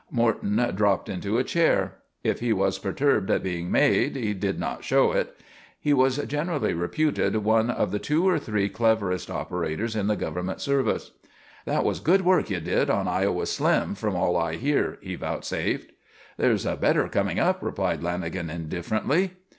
Morton dropped into a chair. If he was perturbed at being "made" he did not show it. He was generally reputed one of the two or three cleverest operators in the government service. "That was good work you did on Iowa Slim, from all I hear," he vouchsafed. "There's a better coming up," replied Lanagan, indifferently.